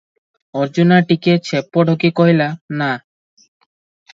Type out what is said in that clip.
ଅର୍ଜୁନା ଟିକିଏ ଛେପ ଢୋକି କହିଲା, 'ନା' ।